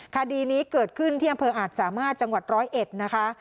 คดีนี้เกิดขึ้นที่อำเภออาจสามารถจังหวัดร้อยเอ็ดนะคะ